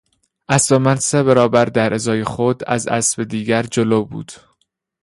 اسب من سه برابر درازای خود از اسب دیگر جلو بود.